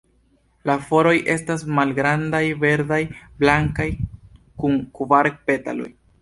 La floroj estas malgrandaj, verdaj-blankaj, kun kvar petaloj.